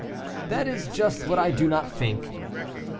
"That is just what I do not think."